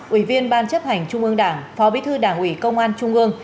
ủy viên ban chấp hành trung ương đảng phó bí thư đảng ủy công an trung ương